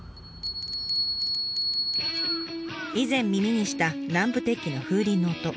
以前耳にした南部鉄器の風鈴の音。